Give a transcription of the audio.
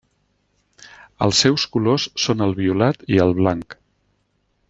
Els seus colors són el violat i el blanc.